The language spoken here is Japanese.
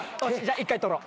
一回取ろう。